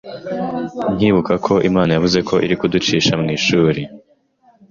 nkibukako Imana yavuze ko iri kuducisha mu ishuri,